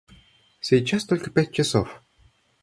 Сейчас только пять часов.